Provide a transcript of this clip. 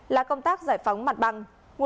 là công tác giải phóng mặt bằng